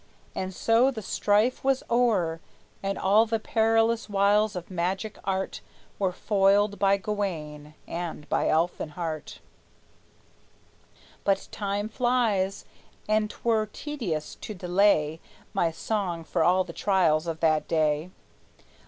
And so the strife was o'er, And all the perilous wiles of magic art Were foiled by Gawayne and by Elfinhart. But time flies, and 't were tedious to delay My song for all the trials of that day.